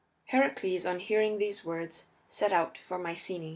Heracles, on hearing these words, set out for Mycenæ.